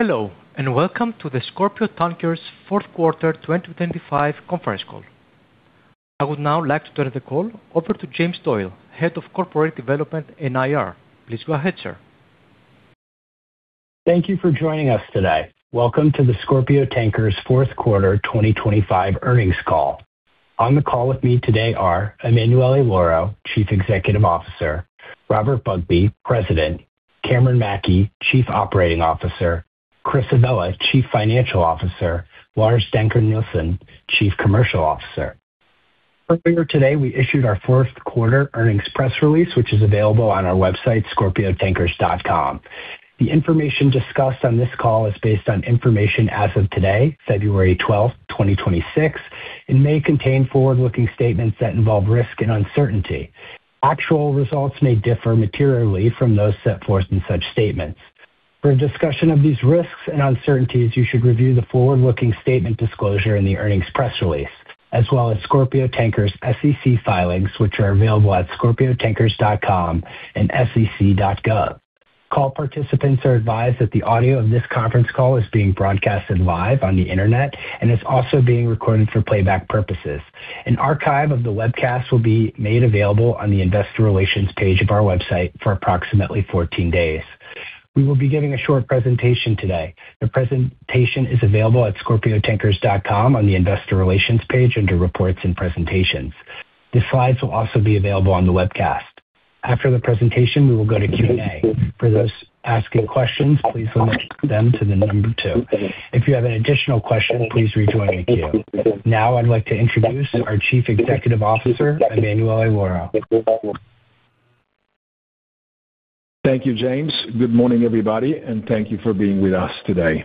Hello, and welcome to the Scorpio Tankers Q4 2025 conference call. I would now like to turn the call over to James Doyle, Head of Corporate Development and IR. Please go ahead, sir. Thank you for joining us today. Welcome to the Scorpio Tankers Q4 2025 earnings call. On the call with me today are Emanuele Lauro, Chief Executive Officer, Robert Bugbee, President, Cameron Mackey, Chief Operating Officer, Chris Avella, Chief Financial Officer, Lars Dencker Nielsen, Chief Commercial Officer. Earlier today, we issued our Q4 earnings press release, which is available on our website, scorpiotankers.com. The information discussed on this call is based on information as of today, February 12, 2026, and may contain forward-looking statements that involve risk and uncertainty. Actual results may differ materially from those set forth in such statements. For a discussion of these risks and uncertainties, you should review the forward-looking statement disclosure in the earnings press release, as well as Scorpio Tankers' SEC filings, which are available at scorpiotankers.com and sec.gov. Call participants are advised that the audio of this conference call is being broadcasted live on the Internet and is also being recorded for playback purposes. An archive of the webcast will be made available on the Investor Relations page of our website for approximately 14 days. We will be giving a short presentation today. The presentation is available at scorpiotankers.com on the Investor Relations page under Reports and Presentations. The slides will also be available on the webcast. After the presentation, we will go to Q&A. For those asking questions, please limit them to the number two. If you have an additional question, please rejoin the queue. Now, I'd like to introduce our Chief Executive Officer, Emanuele Lauro. Thank you, James. Good morning, everybody, and thank you for being with us today.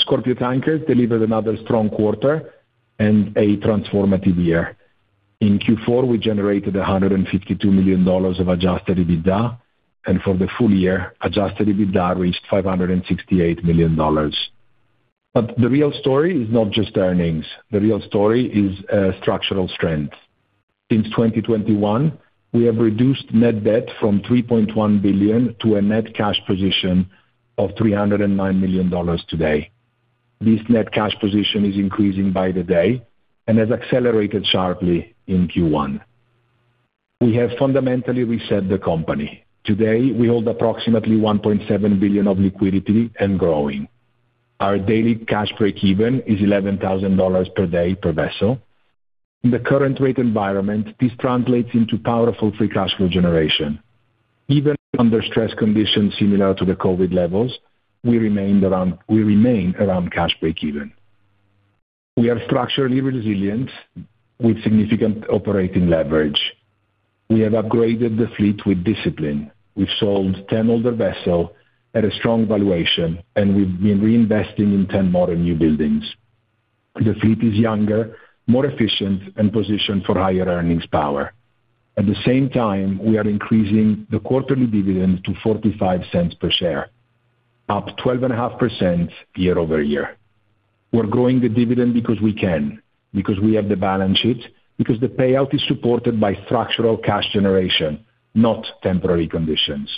Scorpio Tankers delivered another strong quarter and a transformative year. In Q4, we generated $152 million of Adjusted EBITDA, and for the full year, Adjusted EBITDA reached $568 million. The real story is not just earnings. The real story is structural strength. Since 2021, we have reduced net debt from $3.1 billion to a net cash position of $309 million today. This net cash position is increasing by the day and has accelerated sharply in Q1. We have fundamentally reset the company. Today, we hold approximately $1.7 billion of liquidity and growing. Our daily cash break-even is $11,000 per day per vessel. In the current rate environment, this translates into powerful free cash flow generation. Even under stress conditions similar to the COVID levels, we remained around... We remain around cash break-even. We are structurally resilient with significant operating leverage. We have upgraded the fleet with discipline. We've sold 10 older vessels at a strong valuation, and we've been reinvesting in 10 modern new buildings. The fleet is younger, more efficient, and positioned for higher earnings power. At the same time, we are increasing the quarterly dividend to $0.45 per share, up 12.5% year-over-year. We're growing the dividend because we can, because we have the balance sheet, because the payout is supported by structural cash generation, not temporary conditions.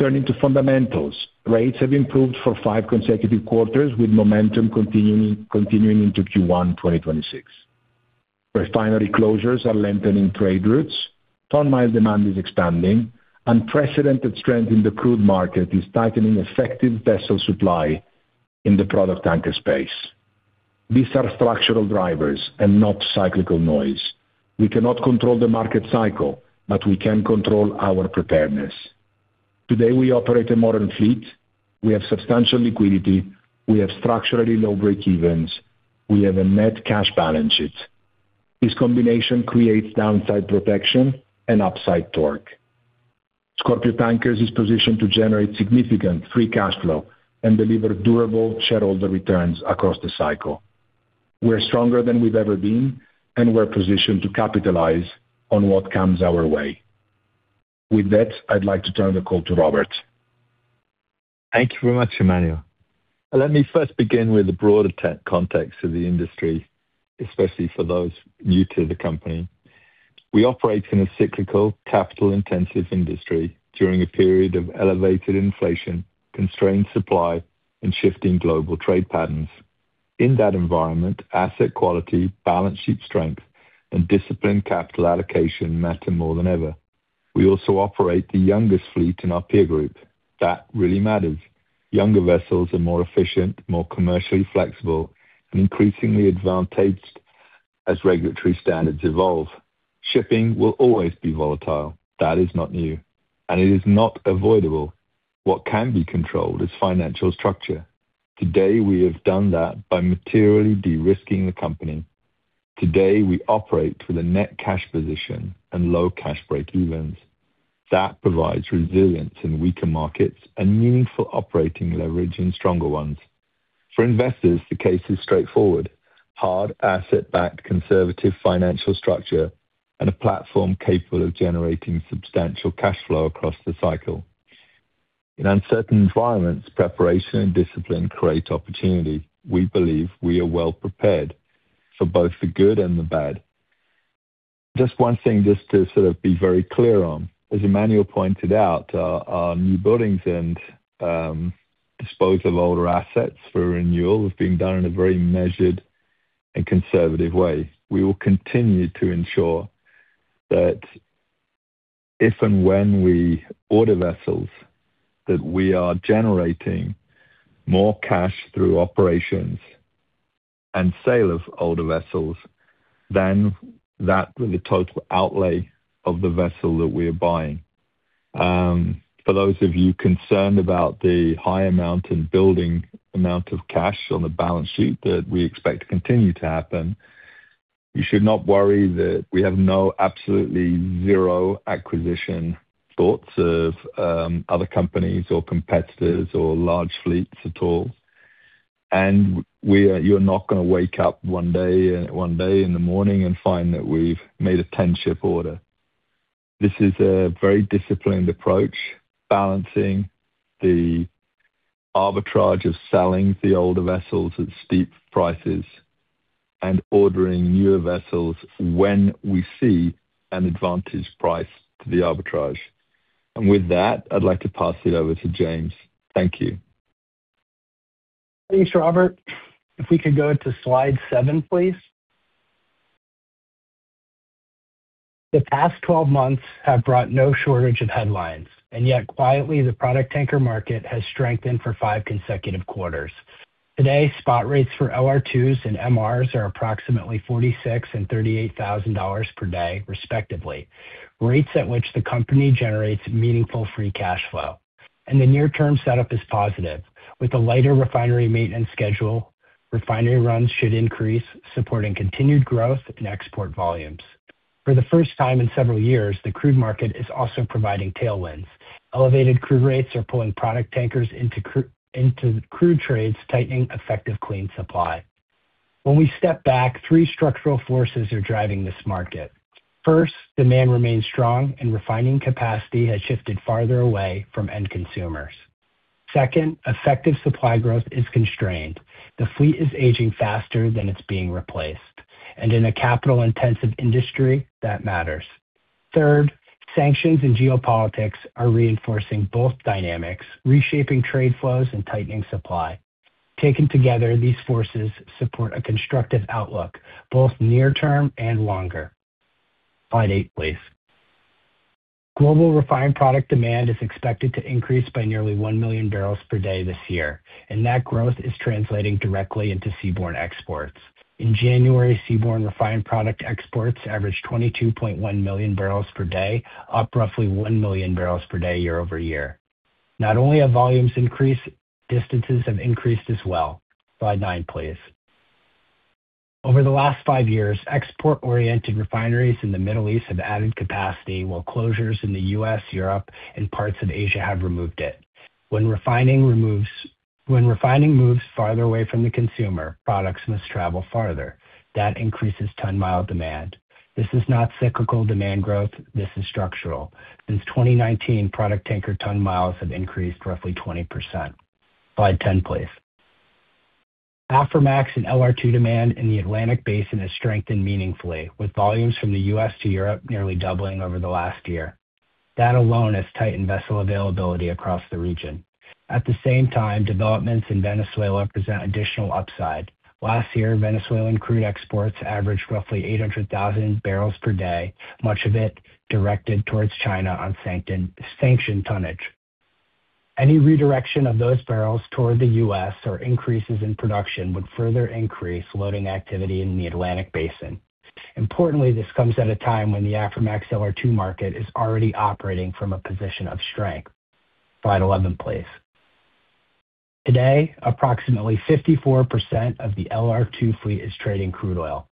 Turning to fundamentals, rates have improved for five consecutive quarters, with momentum continuing, continuing into Q1 2026. Refinery closures are lengthening trade routes, ton-mile demand is expanding, unprecedented strength in the crude market is tightening effective vessel supply in the product tanker space. These are structural drivers and not cyclical noise. We cannot control the market cycle, but we can control our preparedness. Today, we operate a modern fleet. We have substantial liquidity. We have structurally low break-evens. We have a net cash balance sheet. This combination creates downside protection and upside torque. Scorpio Tankers is positioned to generate significant free cash flow and deliver durable shareholder returns across the cycle. We're stronger than we've ever been, and we're positioned to capitalize on what comes our way. With that, I'd like to turn the call to Robert. Thank you very much, Emanuele. Let me first begin with the broader context of the industry, especially for those new to the company. We operate in a cyclical, capital-intensive industry during a period of elevated inflation, constrained supply, and shifting global trade patterns. In that environment, asset quality, balance sheet strength, and disciplined capital allocation matter more than ever. We also operate the youngest fleet in our peer group. That really matters. Younger vessels are more efficient, more commercially flexible, and increasingly advantaged as regulatory standards evolve. Shipping will always be volatile. That is not new, and it is not avoidable. What can be controlled is financial structure. Today, we have done that by materially de-risking the company. Today, we operate with a net cash position and low cash break-evens. That provides resilience in weaker markets and meaningful operating leverage in stronger ones. For investors, the case is straightforward: hard, asset-backed, conservative financial structure and a platform capable of generating substantial cash flow across the cycle. In uncertain environments, preparation and discipline create opportunity. We believe we are well prepared for both the good and the bad. Just one thing, just to sort of be very clear on. As Emanuele pointed out, our new buildings and disposal of older assets for renewal is being done in a very measured and conservative way. We will continue to ensure that if and when we order vessels, that we are generating more cash through operations and sale of older vessels than that the total outlay of the vessel that we are buying. For those of you concerned about the high amount in building amount of cash on the balance sheet that we expect to continue to happen, you should not worry that we have no absolutely zero acquisition thoughts of other companies, or competitors, or large fleets at all. And we are—you're not going to wake up one day, one day in the morning, and find that we've made a 10-ship order. This is a very disciplined approach, balancing the arbitrage of selling the older vessels at steep prices and ordering newer vessels when we see an advantage price to the arbitrage. And with that, I'd like to pass it over to James. Thank you. Thanks, Robert. If we could go to slide seven, please. The past 12 months have brought no shortage of headlines, and yet quietly, the product tanker market has strengthened for five consecutive quarters. Today, spot rates for LR2s and MRs are approximately $46,000 and $38,000 per day, respectively, rates at which the company generates meaningful free cash flow. The near-term setup is positive. With a lighter refinery maintenance schedule, refinery runs should increase, supporting continued growth in export volumes. For the first time in several years, the crude market is also providing tailwinds. Elevated crude rates are pulling product tankers into crude trades, tightening effective clean supply. When we step back, three structural forces are driving this market. First, demand remains strong, and refining capacity has shifted farther away from end consumers. Second, effective supply growth is constrained. The fleet is aging faster than it's being replaced, and in a capital-intensive industry, that matters. Third, sanctions and geopolitics are reinforcing both dynamics, reshaping trade flows and tightening supply. Taken together, these forces support a constructive outlook, both near-term and longer. Slide eight, please. Global refined product demand is expected to increase by nearly one million barrels per day this year, and that growth is translating directly into seaborne exports. In January, seaborne refined product exports averaged 22.1 million barrels per day, up roughly one million barrels per day year-over-year. Not only have volumes increased, distances have increased as well. Slide nine, please. Over the last five years, export-oriented refineries in the Middle East have added capacity, while closures in the U.S., Europe, and parts of Asia have removed it. When refining moves farther away from the consumer, products must travel farther. That increases ton-mile demand. This is not cyclical demand growth. This is structural. Since 2019, product tanker ton miles have increased roughly 20%. Slide 10, please. Aframax and LR2 demand in the Atlantic Basin has strengthened meaningfully, with volumes from the U.S. to Europe nearly doubling over the last year. That alone has tightened vessel availability across the region. At the same time, developments in Venezuela present additional upside. Last year, Venezuelan crude exports averaged roughly 800,000 barrels per day, much of it directed towards China on sanctioned tonnage. Any redirection of those barrels toward the U.S. or increases in production would further increase loading activity in the Atlantic Basin. Importantly, this comes at a time when the Aframax/LR2 market is already operating from a position of strength. Slide 11, please. Today, approximately 54% of the LR2 fleet is trading crude oil.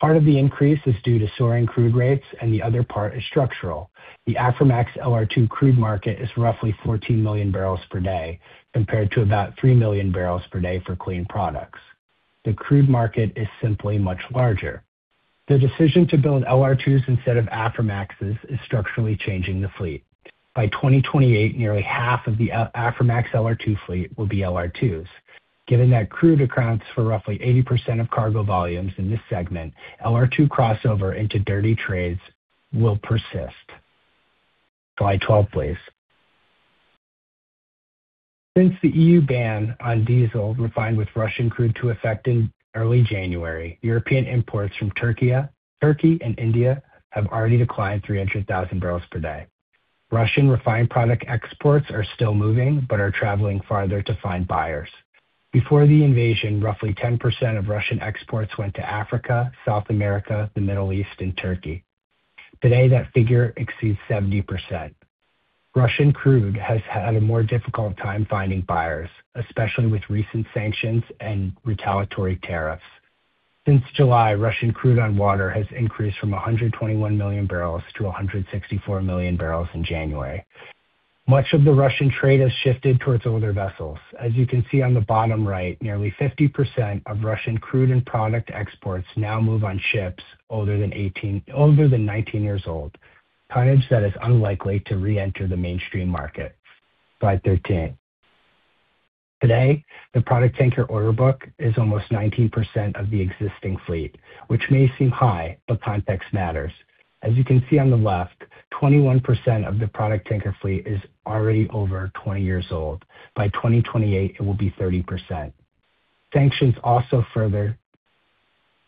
Part of the increase is due to soaring crude rates, and the other part is structural. The Aframax/LR2 crude market is roughly 14 million barrels per day, compared to about three million barrels per day for clean products. The crude market is simply much larger. The decision to build LR2s instead of Aframaxes is structurally changing the fleet. By 2028, nearly half of the Aframax/LR2 fleet will be LR2s. Given that crude accounts for roughly 80% of cargo volumes in this segment, LR2 crossover into dirty trades will persist. Slide 12, please. Since the EU ban on diesel refined with Russian crude took effect in early January, European imports from Türkiye and India have already declined 300,000 barrels per day. Russian refined product exports are still moving, but are traveling farther to find buyers. Before the invasion, roughly 10% of Russian exports went to Africa, South America, the Middle East, and Türkiye. Today, that figure exceeds 70%. Russian crude has had a more difficult time finding buyers, especially with recent sanctions and retaliatory tariffs. Since July, Russian crude on water has increased from 121 million barrels to 164 million barrels in January. Much of the Russian trade has shifted towards older vessels. As you can see on the bottom right, nearly 50% of Russian crude and product exports now move on ships older than 19 years old, tonnage that is unlikely to reenter the mainstream market. Slide 13. Today, the product tanker order book is almost 19% of the existing fleet, which may seem high, but context matters. As you can see on the left, 21% of the product tanker fleet is already over 20 years old. By 2028, it will be 30%. Sanctions also further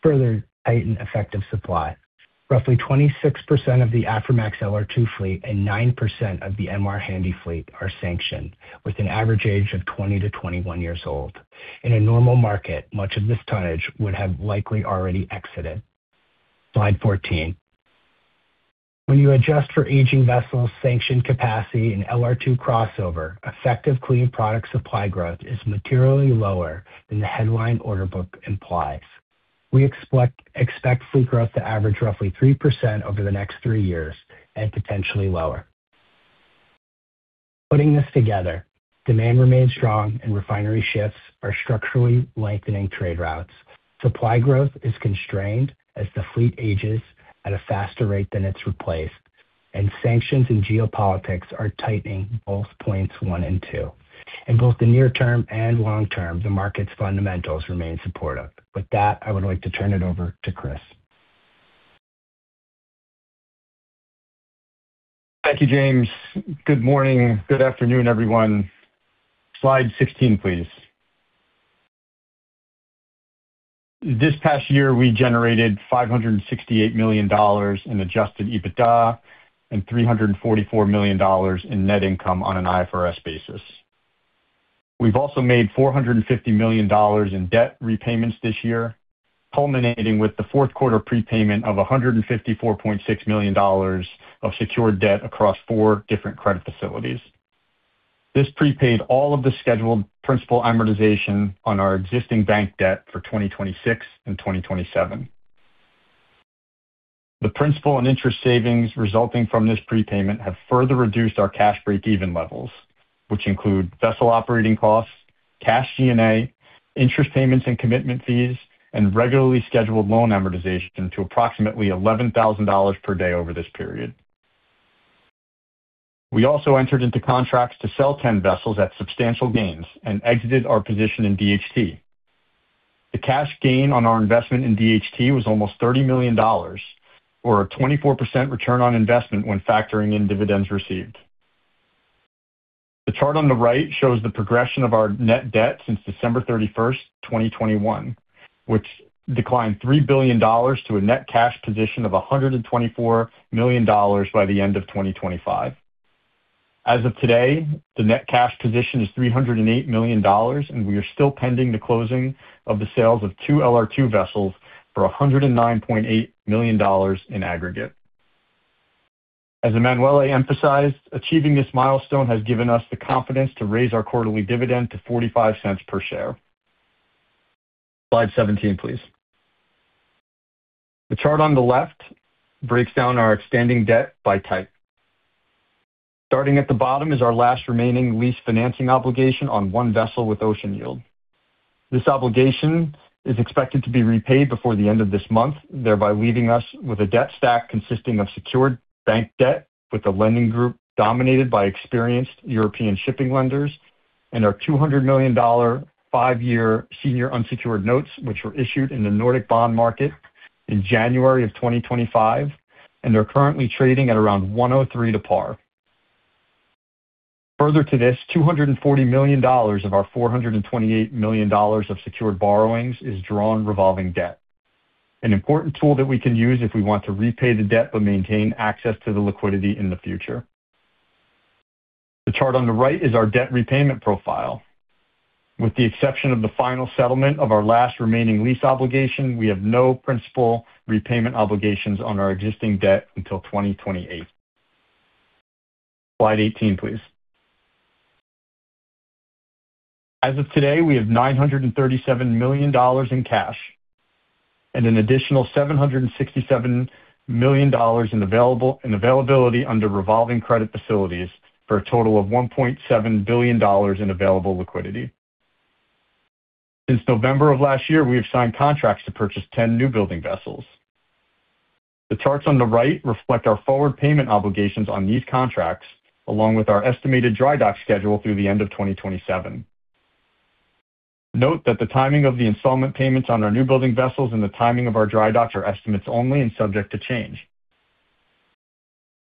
tighten effective supply. Roughly 26% of the Aframax/LR2 fleet and 9% of the MR Handymax fleet are sanctioned, with an average age of 20-21 years old. In a normal market, much of this tonnage would have likely already exited. Slide 14. When you adjust for aging vessels, sanctioned capacity, and LR2 crossover, effective clean product supply growth is materially lower than the headline order book implies. We expect fleet growth to average roughly 3% over the next three years and potentially lower. Putting this together, demand remains strong, and refinery shifts are structurally lengthening trade routes. Supply growth is constrained as the fleet ages at a faster rate than it's replaced, and sanctions and geopolitics are tightening both points one and two. In both the near term and long term, the market's fundamentals remain supportive. With that, I would like to turn it over to Chris. Thank you, James. Good morning. Good afternoon, everyone. Slide 16, please. This past year, we generated $568 million in Adjusted EBITDA and $344 million in net income on an IFRS basis. We've also made $450 million in debt repayments this year, culminating with the Q4 prepayment of $154.6 million of secured debt across four different credit facilities. This prepaid all of the scheduled principal amortization on our existing bank debt for 2026 and 2027. The principal and interest savings resulting from this prepayment have further reduced our cash break-even levels, which include vessel operating costs, cash G&A, interest payments, and commitment fees, and regularly scheduled loan amortization to approximately $11,000 per day over this period. We also entered into contracts to sell 10 vessels at substantial gains and exited our position in DHT. The cash gain on our investment in DHT was almost $30 million, or a 24% return on investment when factoring in dividends received. The chart on the right shows the progression of our net debt since December 31, 2021, which declined $3 billion to a net cash position of $124 million by the end of 2025. As of today, the net cash position is $308 million, and we are still pending the closing of the sales of two LR2 vessels for $109.8 million in aggregate. As Emanuele emphasized, achieving this milestone has given us the confidence to raise our quarterly dividend to $0.45 per share. Slide 17, please. The chart on the left breaks down our extending debt by type. Starting at the bottom is our last remaining lease financing obligation on one vessel with Ocean Yield. This obligation is expected to be repaid before the end of this month, thereby leaving us with a debt stack consisting of secured bank debt, with the lending group dominated by experienced European shipping lenders, and our $200 million five-year senior unsecured notes, which were issued in the Nordic bond market in January 2025, and they're currently trading at around 103 to par. Further to this, $240 million of our $428 million of secured borrowings is drawn revolving debt, an important tool that we can use if we want to repay the debt but maintain access to the liquidity in the future. The chart on the right is our debt repayment profile. With the exception of the final settlement of our last remaining lease obligation, we have no principal repayment obligations on our existing debt until 2028. Slide 18, please. As of today, we have $937 million in cash and an additional $767 million in availability under revolving credit facilities, for a total of $1.7 billion in available liquidity. Since November of last year, we have signed contracts to purchase 10 new-building vessels. The charts on the right reflect our forward payment obligations on these contracts, along with our estimated dry dock schedule through the end of 2027. Note that the timing of the installment payments on our new-building vessels and the timing of our dry docks are estimates only and subject to change.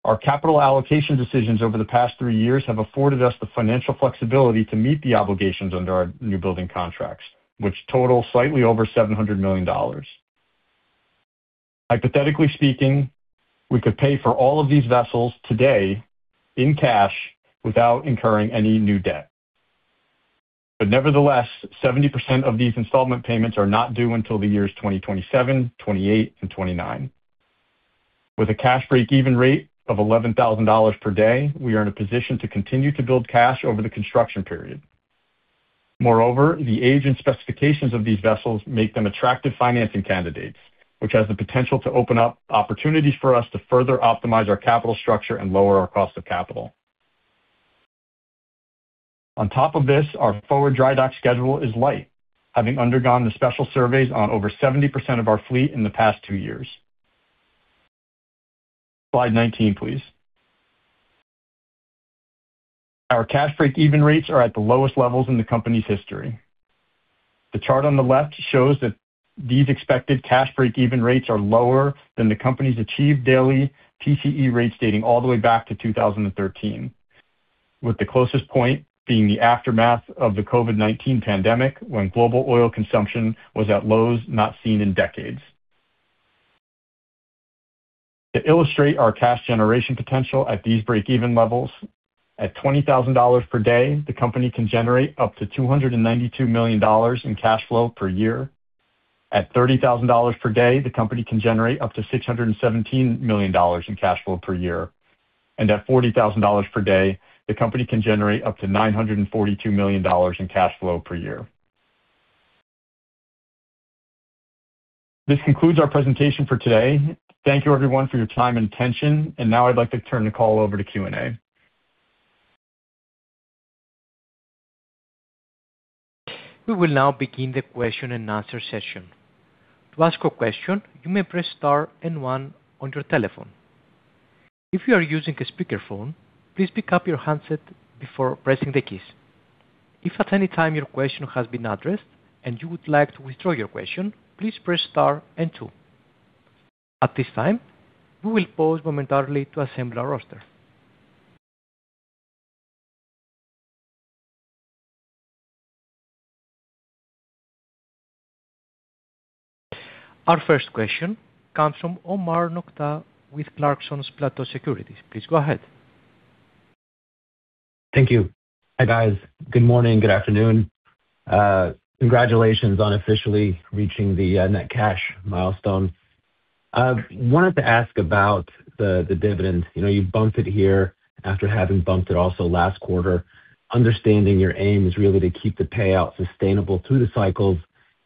Our capital allocation decisions over the past three years have afforded us the financial flexibility to meet the obligations under our new-building contracts, which total slightly over $700 million. Hypothetically speaking, we could pay for all of these vessels today in cash without incurring any new debt. But nevertheless, 70% of these installment payments are not due until the years 2027, 2028, and 2029. With a cash break-even rate of $11,000 per day, we are in a position to continue to build cash over the construction period. Moreover, the age and specifications of these vessels make them attractive financing candidates, which has the potential to open up opportunities for us to further optimize our capital structure and lower our cost of capital. On top of this, our forward dry dock schedule is light, having undergone the special surveys on over 70% of our fleet in the past two years. Slide 19, please. Our cash break-even rates are at the lowest levels in the company's history. The chart on the left shows that these expected cash break-even rates are lower than the company's achieved daily TCE rates dating all the way back to 2013, with the closest point being the aftermath of the COVID-19 pandemic, when global oil consumption was at lows not seen in decades. To illustrate our cash generation potential at these break-even levels, at $20,000 per day, the company can generate up to $292 million in cash flow per year. At $30,000 per day, the company can generate up to $617 million in cash flow per year. At $40,000 per day, the company can generate up to $942 million in cash flow per year. This concludes our presentation for today. Thank you, everyone, for your time and attention. Now I'd like to turn the call over to Q&A. We will now begin the question-and-answer session. To ask a question, you may press star and one on your telephone. If you are using a speakerphone, please pick up your handset before pressing the keys. If at any time your question has been addressed and you would like to withdraw your question, please press star and two. At this time, we will pause momentarily to assemble our roster. Our first question comes from Omar Nokta with Clarksons Platou Securities. Please go ahead. Thank you. Hi, guys. Good morning. Good afternoon. Congratulations on officially reaching the net cash milestone. Wanted to ask about the dividend. You know, you bumped it here after having bumped it also last quarter. Understanding your aim is really to keep the payout sustainable through the cycles.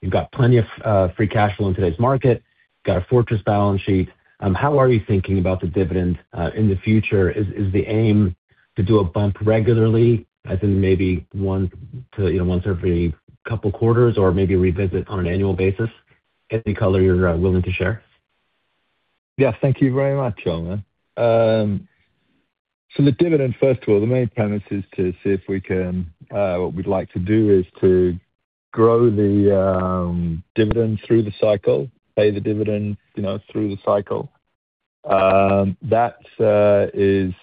You've got plenty of free cash flow in today's market, got a fortress balance sheet. How are you thinking about the dividend in the future? Is the aim to do a bump regularly, as in maybe once to, you know, once every couple quarters, or maybe revisit on an annual basis? Any color you're willing to share? Yes, thank you very much, Omar. So the dividend, first of all, the main premise is to see if we can, what we'd like to do is to grow the dividend through the cycle, pay the dividend, you know, through the cycle. That is,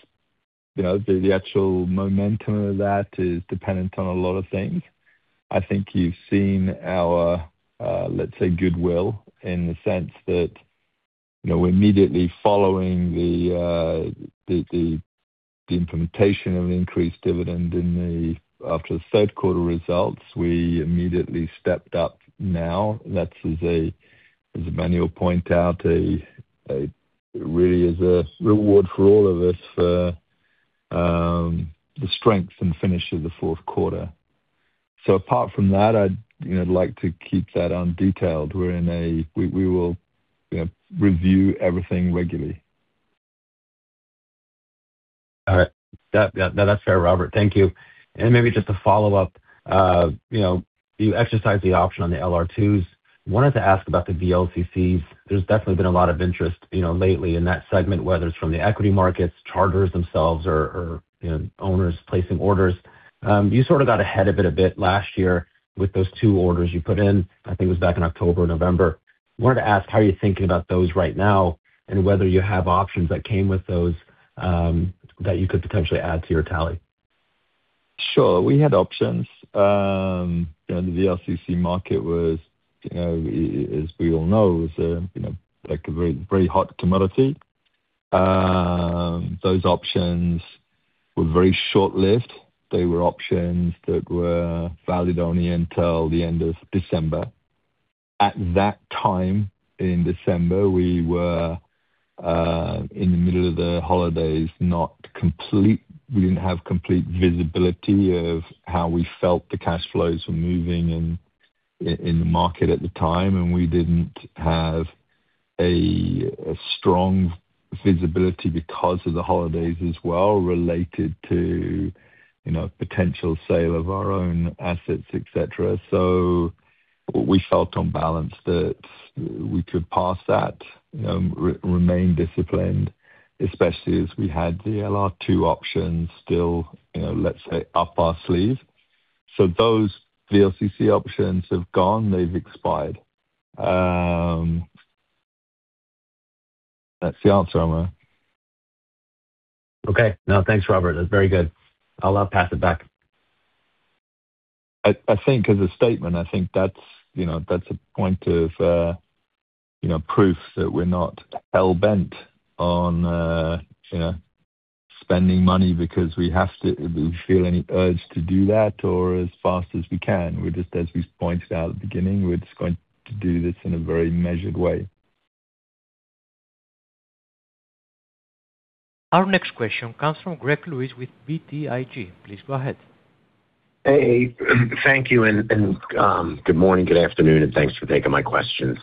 you know, the actual momentum of that is dependent on a lot of things. I think you've seen our, let's say, goodwill, in the sense that, you know, immediately following the implementation of increased dividend in the... after the Q3 results, we immediately stepped up now. That is a, as Emanuele point out, a really is a reward for all of us for the strength and finish of the Q4. So apart from that, I'd, you know, like to keep that undetailed. We will, you know, review everything regularly. All right. That, yeah, that's fair, Robert. Thank you. And maybe just a follow-up. You know, you exercised the option on the LR2s. Wanted to ask about the VLCCs. There's definitely been a lot of interest, you know, lately in that segment, whether it's from the equity markets, charters themselves or, or, you know, owners placing orders. You sort of got ahead of it a bit last year with those two orders you put in. I think it was back in October, November. Wanted to ask, how are you thinking about those right now, and whether you have options that came with those that you could potentially add to your tally? Sure. We had options. And the VLCC market was, you know, as we all know, was, you know, like a very, very hot commodity. Those options were very short-lived. They were options that were valid only until the end of December. At that time, in December, we were in the middle of the holidays, not complete. We didn't have complete visibility of how we felt the cash flows were moving in the market at the time, and we didn't have a strong visibility because of the holidays as well, related to, you know, potential sale of our own assets, et cetera. So we felt on balance that we could pass that, remain disciplined, especially as we had the LR2 options still, you know, let's say, up our sleeve. So those VLCC options have gone. They've expired. That's the answer, Omar. Okay. No, thanks, Robert. That's very good. I'll now pass it back. I think as a statement, I think that's, you know, that's a point of, you know, proof that we're not hell-bent on, you know, spending money because we have to, we feel any urge to do that or as fast as we can. We're just, as we pointed out at the beginning, we're just going to do this in a very measured way. Our next question comes from Greg Lewis with BTIG. Please go ahead. Hey, thank you. Good morning, good afternoon, and thanks for taking my questions.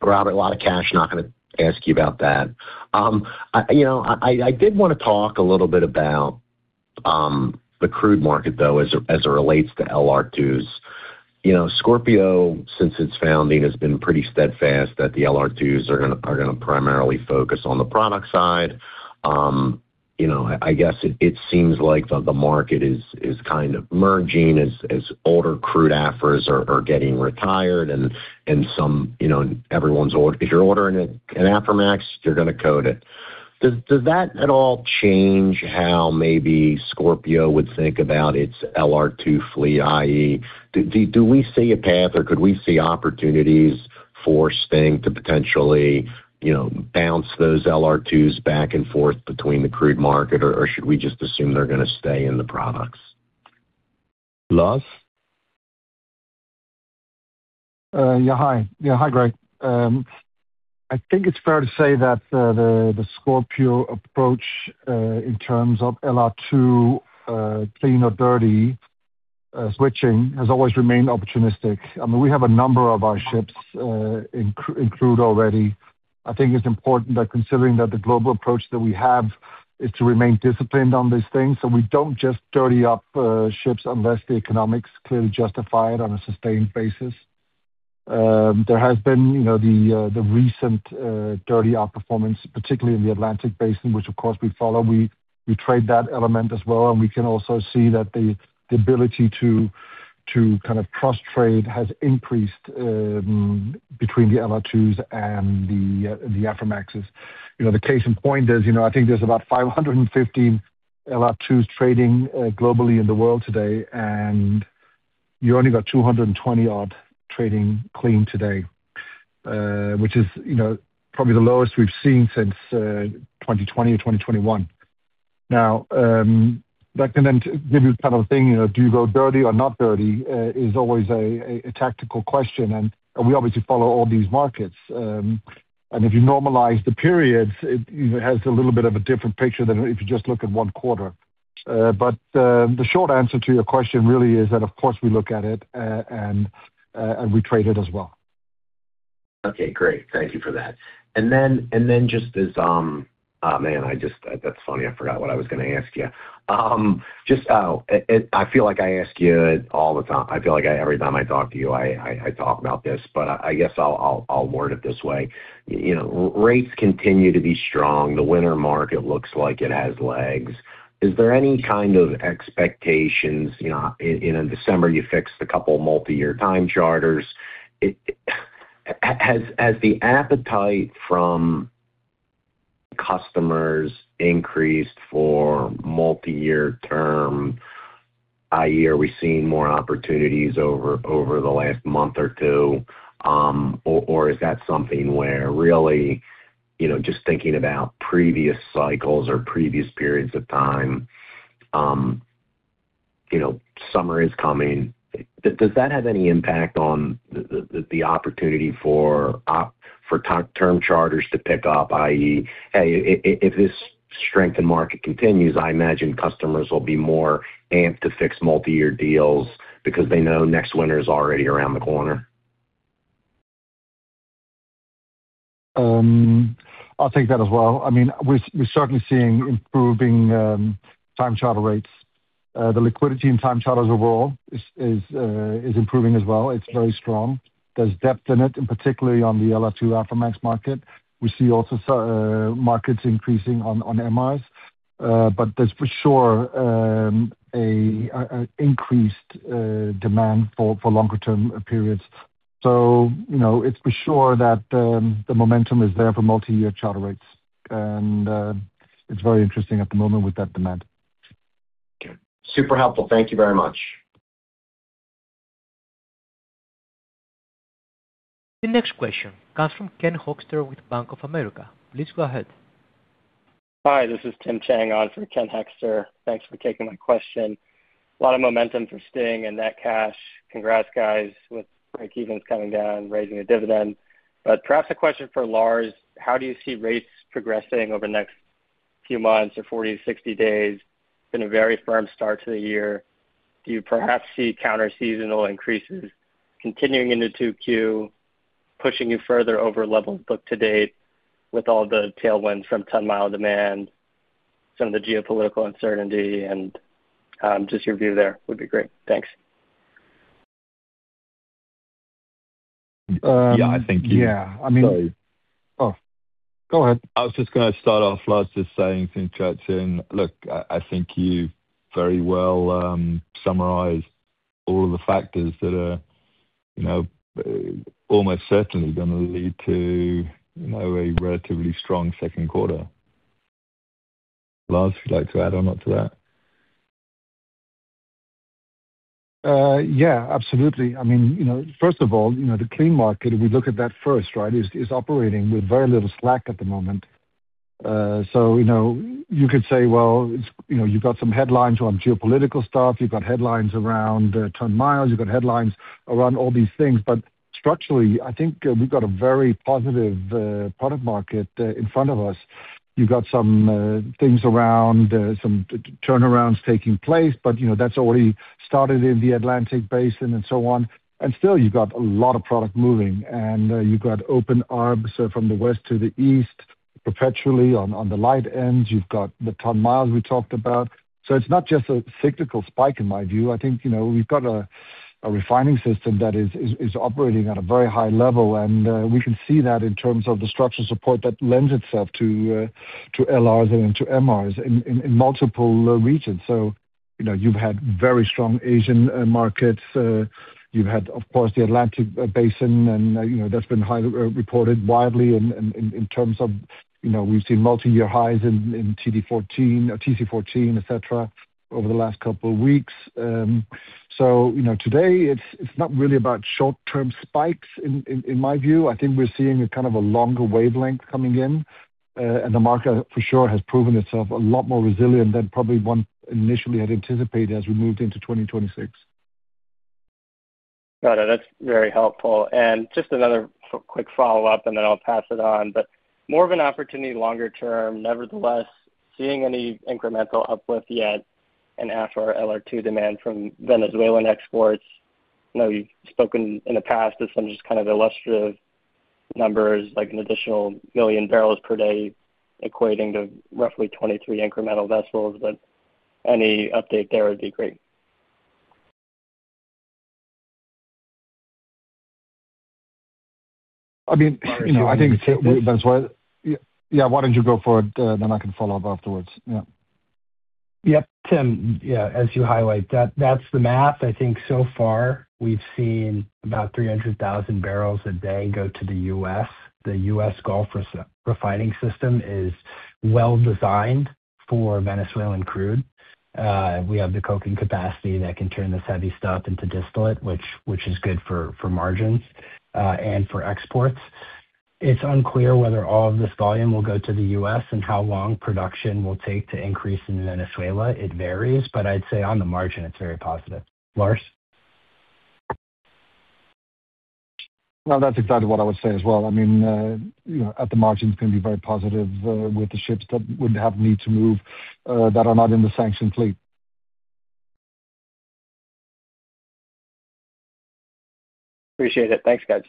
Robert, a lot of cash. Not gonna ask you about that. You know, I did want to talk a little bit about-... The crude market, though, as it, as it relates to LR2s, you know, Scorpio, since its founding, has been pretty steadfast that the LR2s are gonna, are gonna primarily focus on the product side. You know, I, I guess it, it seems like the, the market is, is kind of merging as, as older crude Aframaxes are, are getting retired and, and some, you know, everyone's order-- if you're ordering a, an Aframax, you're gonna coat it. Does, does that at all change how maybe Scorpio would think about its LR2 fleet? i.e., do, do we see a path or could we see opportunities for Scorpio to potentially, you know, bounce those LR2s back and forth between the crude market, or, or should we just assume they're gonna stay in the products? Lars? Hi, Greg. I think it's fair to say that the Scorpio approach in terms of LR2, clean or dirty, switching, has always remained opportunistic. I mean, we have a number of our ships in crude already. I think it's important that, considering that the global approach that we have, is to remain disciplined on these things, so we don't just dirty up ships unless the economics clearly justify it on a sustained basis. There has been, you know, the recent dirty outperformance, particularly in the Atlantic Basin, which of course we follow. We trade that element as well, and we can also see that the ability to kind of cross-trade has increased between the LR2s and the Aframaxes. You know, the case in point is, you know, I think there's about 515 LR2s trading globally in the world today, and you only got 220-odd trading clean today, which is, you know, probably the lowest we've seen since 2020 or 2021. Now, that can then give you kind of a thing, you know, do you go dirty or not dirty is always a tactical question, and we obviously follow all these markets. And if you normalize the periods, it has a little bit of a different picture than if you just look at one quarter. But the short answer to your question really is that of course, we look at it, and we trade it as well. Okay, great. Thank you for that. And then just as... Ah, man, that's funny, I forgot what I was gonna ask you. Just, I feel like I ask you all the time. I feel like every time I talk to you, I talk about this, but I guess I'll word it this way: You know, rates continue to be strong. The winter market looks like it has legs. Is there any kind of expectations, you know, in the summer, you fixed a couple of multi-year time charters? Has the appetite from customers increased for multi-year term, i.e., are we seeing more opportunities over the last month or two? Or is that something where, really, you know, just thinking about previous cycles or previous periods of time, you know, summer is coming. Does that have any impact on the opportunity for term charters to pick up, i.e., hey, if this strength in market continues, I imagine customers will be more amped to fix multi-year deals because they know next winter is already around the corner. I'll take that as well. I mean, we're certainly seeing improving time charter rates. The liquidity in time charters overall is improving as well. It's very strong. There's depth in it, and particularly on the LR2/Aframax market. We see also markets increasing on MRs. But there's for sure a increased demand for longer term periods. So, you know, it's for sure that the momentum is there for multi-year charter rates, and it's very interesting at the moment with that demand. Okay. Super helpful. Thank you very much. The next question comes from Ken Hoexter with Bank of America. Please go ahead. Hi, this is Tim Chang on for Ken Hoexter. Thanks for taking my question. A lot of momentum for staying in net cash. Congrats, guys, with break-evens coming down, raising a dividend. But perhaps a question for Lars: How do you see rates progressing over the next few months or 40-60 days? Been a very firm start to the year. Do you perhaps see counterseasonal increases continuing into Q2, pushing you further over level book to date with all the tailwinds from ton-mile demand, some of the geopolitical uncertainty, and, just your view, there would be great. Thanks. Yeah, I think- Yeah, I mean- Sorry. Oh, go ahead. I was just gonna start off, Lars, just saying, thanks, Tim. Look, I think you very well summarized all of the factors that are, you know, almost certainly gonna lead to, you know, a relatively strong Q2. Lars, you'd like to add or not to that? Yeah, absolutely. I mean, you know, first of all, you know, the clean market, if we look at that first, right, is operating with very little slack at the moment. So, you know, you could say, well, it's, you know, you've got some headlines on geopolitical stuff, you've got headlines around ton miles, you've got headlines around all these things, but structurally, I think, we've got a very positive product market in front of us. You've got some things around some turnarounds taking place, but you know, that's already started in the Atlantic Basin and so on. And still, you've got a lot of product moving, and you've got open arms from the west to the east perpetually on the light end. You've got the ton miles we talked about. So it's not just a cyclical spike, in my view. I think, you know, we've got a refining system that is operating at a very high level, and we can see that in terms of the structural support that lends itself to LR than into MRs in multiple regions. So, you know, you've had very strong Asian markets. You've had, of course, the Atlantic Basin, and you know, that's been highly reported widely in terms of, you know, we've seen multiyear highs in TD14 or TC14, et cetera, over the last couple of weeks. So, you know, today, it's not really about short-term spikes in my view. I think we're seeing a kind of a longer wavelength coming in, and the market, for sure, has proven itself a lot more resilient than probably one initially had anticipated as we moved into 2026. Got it. That's very helpful. And just another quick follow-up, and then I'll pass it on. But more of an opportunity longer term, nevertheless, seeing any incremental uplift yet, and after LR2 demand from Venezuelan exports. I know you've spoken in the past to some just kind of illustrative numbers, like an additional one million barrels per day, equating to roughly 23 incremental vessels, but any update there would be great. I mean, you know, I think, Venezuela. Yeah, yeah, why don't you go for it, then I can follow up afterwards? Yeah. Yep, Tim, yeah, as you highlight, that, that's the math. I think so far we've seen about 300,000 barrels a day go to the U.S. The U.S. Gulf refining system is well designed for Venezuelan crude. We have the coking capacity that can turn this heavy stuff into distillate, which is good for margins and for exports. It's unclear whether all of this volume will go to the U.S. and how long production will take to increase in Venezuela. It varies, but I'd say on the margin, it's very positive. Lars? Well, that's exactly what I would say as well. I mean, you know, at the margin, it's going to be very positive, with the ships that would have need to move, that are not in the sanctioned fleet. Appreciate it. Thanks, guys.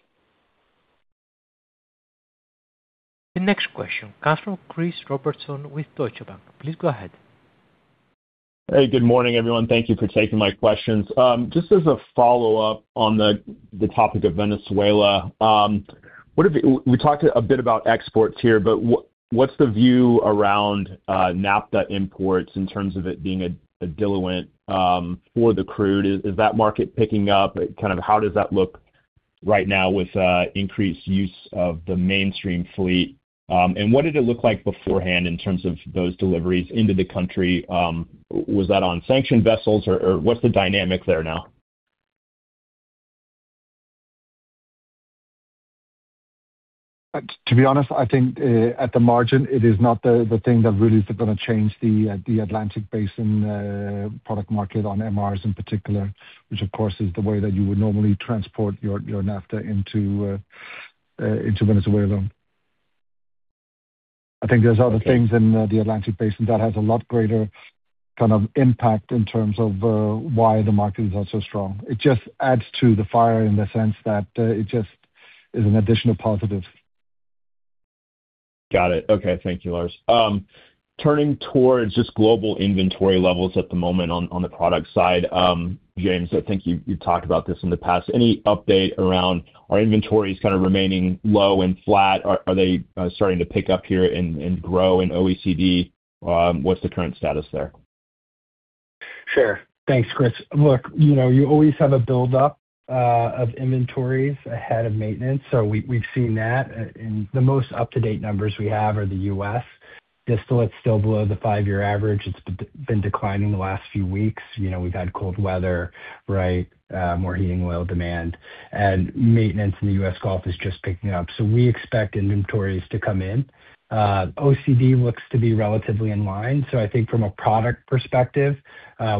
The next question comes from Chris Robertson with Deutsche Bank. Please go ahead. Hey, good morning, everyone. Thank you for taking my questions. Just as a follow-up on the topic of Venezuela, what have you... We talked a bit about exports here, but what's the view around naphtha imports in terms of it being a diluent for the crude? Is that market picking up? Kind of how does that look right now with increased use of the mainstream fleet? And what did it look like beforehand in terms of those deliveries into the country? Was that on sanctioned vessels, or what's the dynamic there now? To be honest, I think at the margin, it is not the thing that really is gonna change the Atlantic Basin product market on MRs in particular, which of course is the way that you would normally transport your naphtha into Venezuela. I think there's other things in the Atlantic Basin that has a lot greater kind of impact in terms of why the market is also strong. It just adds to the fire in the sense that it just is an additional positive. Got it. Okay, thank you, Lars. Turning towards just global inventory levels at the moment on the product side, James, I think you talked about this in the past. Any update around are inventories kind of remaining low and flat? Are they starting to pick up here and grow in OECD? What's the current status there? Sure. Thanks, Chris. Look, you know, you always have a buildup of inventories ahead of maintenance, so we, we've seen that, and the most up-to-date numbers we have are the U.S. distillate's still below the five-year average. It's been declining the last few weeks. You know, we've had cold weather, right? More heating oil demand and maintenance in the U.S. Gulf is just picking up. So we expect inventories to come in. OECD looks to be relatively in line. So I think from a product perspective,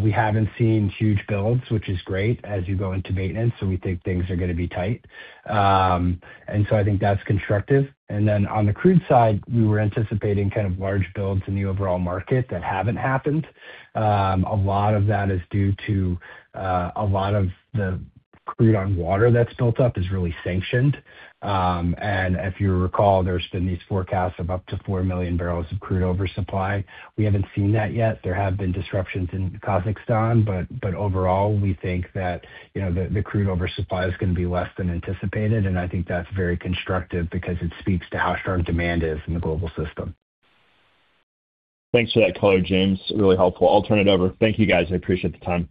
we haven't seen huge builds, which is great, as you go into maintenance, so we think things are gonna be tight. And so I think that's constructive. And then on the crude side, we were anticipating kind of large builds in the overall market that haven't happened. A lot of that is due to a lot of the crude on water that's built up is really sanctioned. And if you recall, there's been these forecasts of up to four million barrels of crude oversupply. We haven't seen that yet. There have been disruptions in Kazakhstan, but overall, we think that, you know, the crude oversupply is gonna be less than anticipated, and I think that's very constructive because it speaks to how strong demand is in the global system. Thanks for that color, James. Really helpful. I'll turn it over. Thank you, guys. I appreciate the time.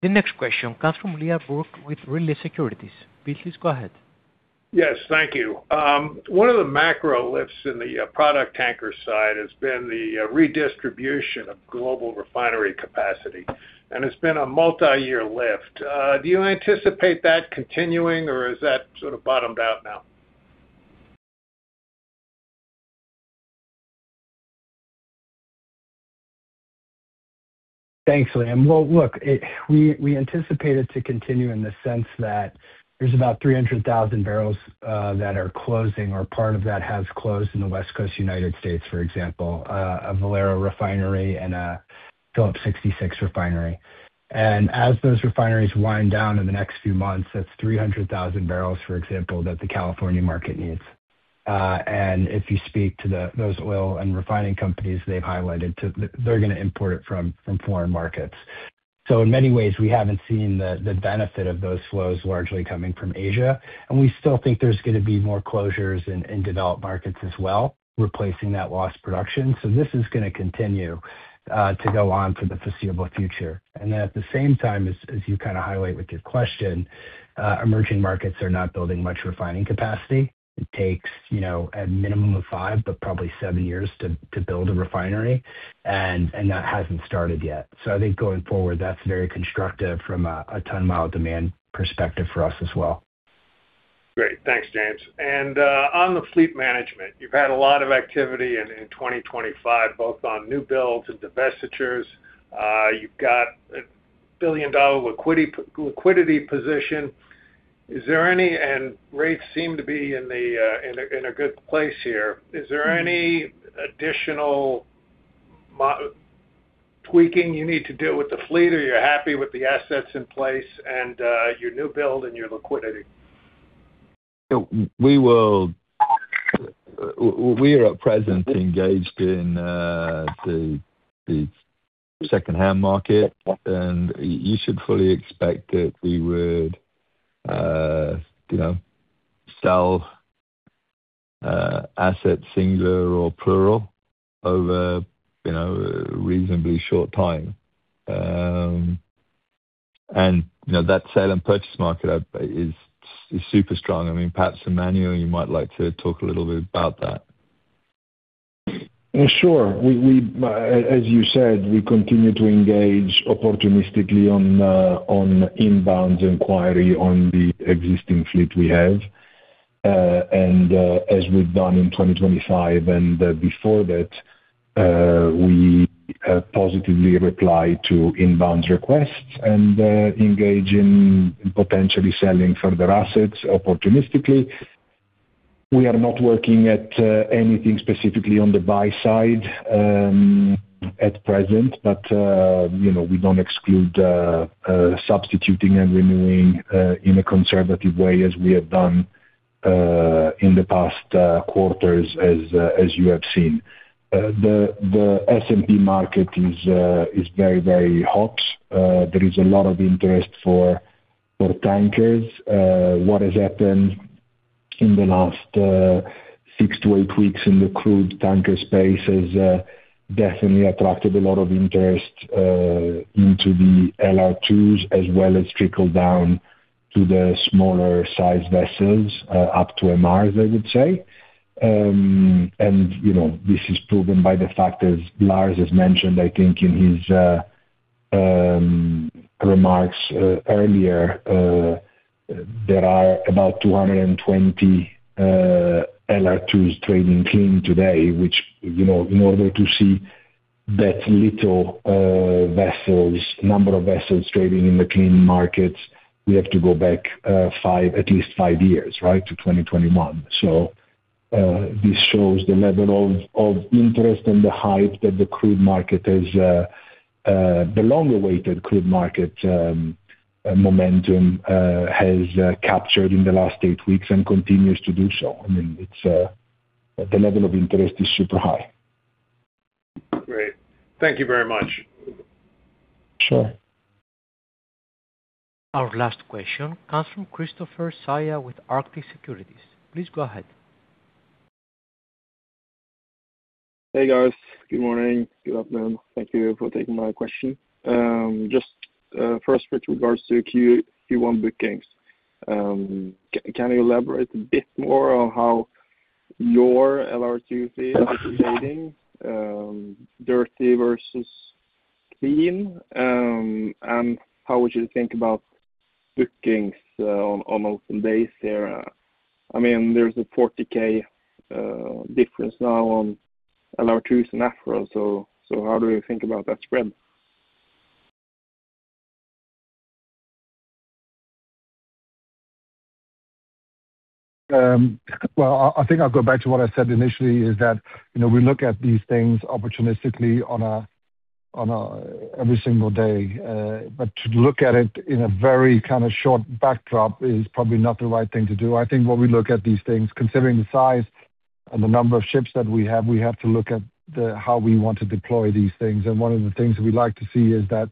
The next question comes from Liam Burke with B. Riley Securities. Please go ahead. Yes, thank you. One of the macro lifts in the product tanker side has been the redistribution of global refinery capacity, and it's been a multi-year lift. Do you anticipate that continuing, or is that sort of bottomed out now? ... Thanks, Liam. Well, look, we anticipate it to continue in the sense that there's about 300,000 barrels that are closing or part of that has closed in the West Coast, United States, for example, a Valero refinery and a Phillips 66 refinery. And as those refineries wind down in the next few months, that's 300,000 barrels, for example, that the California market needs. And if you speak to those oil and refining companies, they've highlighted that they're gonna import it from foreign markets. So in many ways, we haven't seen the benefit of those flows largely coming from Asia, and we still think there's gonna be more closures in developed markets as well, replacing that lost production. So this is gonna continue to go on for the foreseeable future. And then at the same time, as you kind of highlight with your question, emerging markets are not building much refining capacity. It takes, you know, a minimum of five, but probably seven years to build a refinery, and that hasn't started yet. So I think going forward, that's very constructive from a ton-mile demand perspective for us as well. Great. Thanks, James. And on the fleet management, you've had a lot of activity in 2025, both on new builds and divestitures. You've got a $1 billion liquidity position. Is there any... and rates seem to be in a good place here. Is there any additional tweaking you need to do with the fleet, or you're happy with the assets in place, and your new build, and your liquidity? We will, we are at present engaged in the secondhand market, and you should fully expect that we would, you know, sell assets, singular or plural, over, you know, a reasonably short time. And, you know, that sale and purchase market is super strong. I mean, perhaps, Emanuele, you might like to talk a little bit about that. Sure. As you said, we continue to engage opportunistically on inbound inquiries on the existing fleet we have. And as we've done in 2025 and before that, we positively reply to inbound requests and engage in potentially selling further assets opportunistically. We are not working at anything specifically on the buy side, at present, but you know, we don't exclude substituting and renewing in a conservative way as we have done in the past quarters, as you have seen. The S&P market is very, very hot. There is a lot of interest for tankers. What has happened in the last six to eight weeks in the crude tanker space has definitely attracted a lot of interest into the LR2s, as well as trickled down to the smaller size vessels up to MRs, I would say. You know, this is proven by the fact, as Lars has mentioned, I think, in his remarks earlier, there are about 220 LR2s trading clean today, which, you know, in order to see that little vessels number of vessels trading in the clean markets, we have to go back five, at least five years, right, to 2021. So, this shows the level of interest and the hype that the crude market has, the long-awaited crude market momentum has captured in the last eight weeks and continues to do so. I mean, it's the level of interest is super high. Great. Thank you very much. Sure. Our last question comes from Kristoffer Skeie with Arctic Securities. Please go ahead. Hey, guys. Good morning. Good afternoon. Thank you for taking my question. Just, first, with regards to Q1 bookings, can you elaborate a bit more on how your LR2 fleet is trading, dirty versus clean? And how would you think about bookings, on an open basis there? I mean, there's a $40,000 difference now on LR2s and Aframax. So, how do we think about that spread? Well, I think I'll go back to what I said initially, is that, you know, we look at these things opportunistically on every single day. But to look at it in a very kind of short backdrop is probably not the right thing to do. I think when we look at these things, considering the size and the number of ships that we have, we have to look at how we want to deploy these things. And one of the things we like to see is that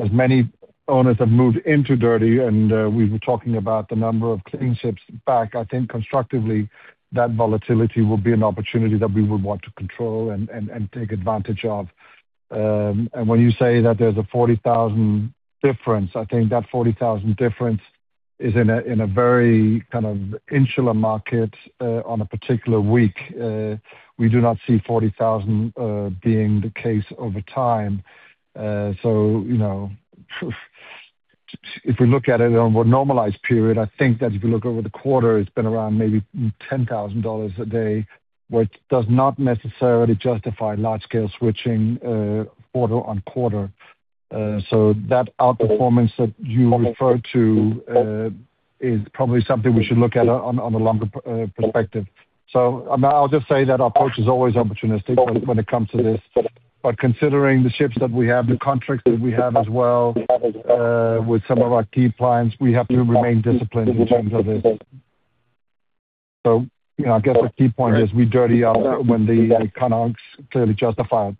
as many owners have moved into dirty, and we've been talking about the number of clean ships back, I think constructively, that volatility will be an opportunity that we would want to control and take advantage of. When you say that there's a 40,000 difference, I think that 40,000 difference is in a, in a very kind of insular market, on a particular week. We do not see 40,000 being the case over time. You know, if we look at it on a more normalized period, I think that if you look over the quarter, it's been around maybe $10,000 a day, which does not necessarily justify large-scale switching, quarter-on-quarter. That outperformance that you refer to is probably something we should look at on, on a longer perspective. I'll just say that our approach is always opportunistic when, when it comes to this. But considering the ships that we have, the contracts that we have as well, with some of our key clients, we have to remain disciplined in terms of this. So, you know, I guess the key point is we dirty out when the econ is clearly justified.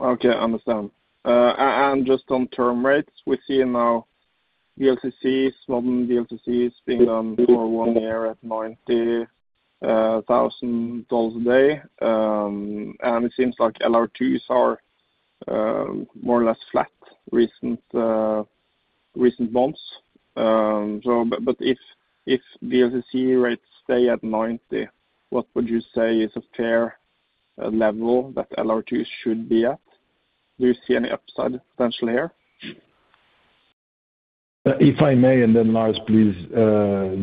Okay, understand. And just on term rates, we're seeing now VLCC, small VLCCs being done for one year at $90,000 a day. And it seems like LR2s are more or less flat, recent months. But if VLCC rates stay at $90,000, what would you say is a fair level that LR2s should be at? Do you see any upside potentially here? If I may, and then, Lars, please,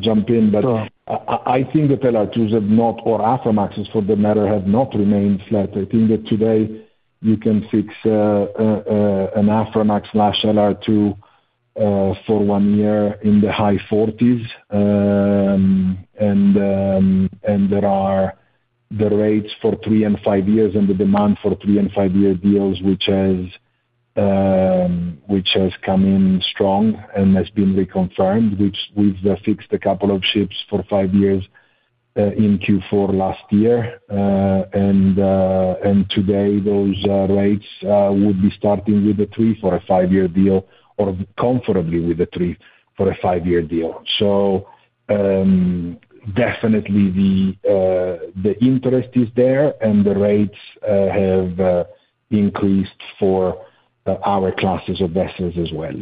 jump in. Sure. But I think that LR2s have not, or Aframaxes, for that matter, have not remained flat. I think that today you can fix an Aframax/LR2 for one year in the high $40s. And there are the rates for three and five years, and the demand for three-and-five-year deals, which has come in strong and has been reconfirmed, which we've fixed a couple of ships for five years in Q4 last year. And today, those rates would be starting with a $3 for a five-year deal or comfortably with a $3 for a five-year deal. So, definitely the interest is there, and the rates have increased for our classes of vessels as well.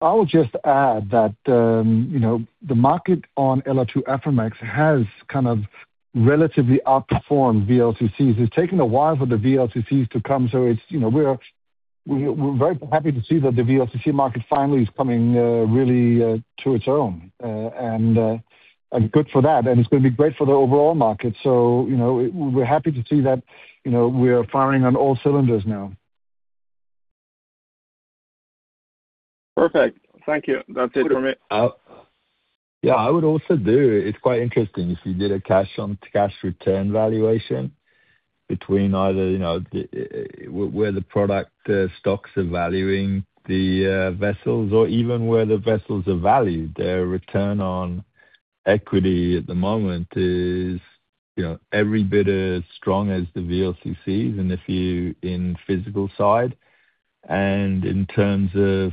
I'll just add that, you know, the market on LR2/Aframax has kind of relatively outperformed VLCCs. It's taken a while for the VLCCs to come, so it's, you know, we're very happy to see that the VLCC market finally is coming, really, to its own. And, and good for that, and it's gonna be great for the overall market. So, you know, we're happy to see that, you know, we are firing on all cylinders now. Perfect. Thank you. That's it from me. Yeah, I would also do... It's quite interesting. If you did a cash on cash return valuation between either, you know, the, where, where the product stocks are valuing the, vessels or even where the vessels are valued, their return on equity at the moment is, you know, every bit as strong as the VLCCs and a few in physical side. And in terms of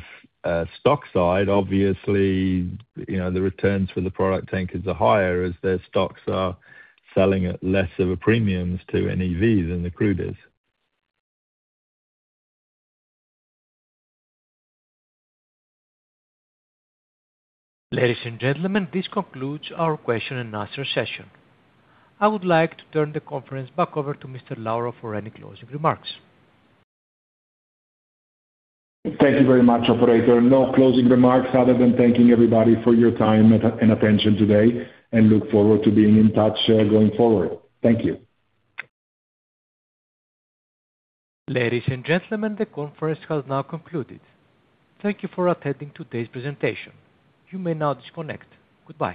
stock side, obviously, you know, the returns for the product tankers are higher, as their stocks are selling at less of a premiums to NAV than the crude is. Ladies and gentlemen, this concludes our question-and-answer session. I would like to turn the conference back over to Mr. Lauro for any closing remarks. Thank you very much, operator. No closing remarks, other than thanking everybody for your time and attention today, and look forward to being in touch going forward. Thank you. Ladies and gentlemen, the conference has now concluded. Thank you for attending today's presentation. You may now disconnect. Goodbye.